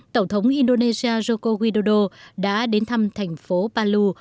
tổng thống indonesia joko widodo đã đến thăm thành phố palu